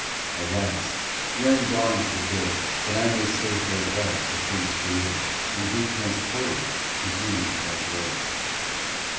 Alas, when dawns the day That I may say farewell to things created And be transported to Thee in Thy glory